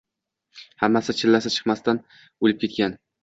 Hammasi chillasi chiqmasdan o‘lib ketgan.